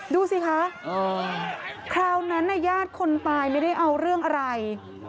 ดูสิคะคราวนั้นญาติคนตายไม่ได้เอาเรื่องอะไร